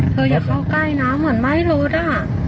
เธออย่าเข้าใกล้น้ำหวันไม้รถอ่ะ